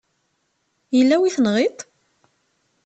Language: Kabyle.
Yella wi tenɣiḍ?